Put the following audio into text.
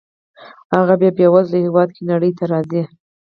هغه په بې وزله هېواد کې نړۍ ته راځي.